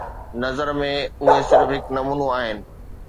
نظر ۾، اهي صرف هڪ نمونو آهن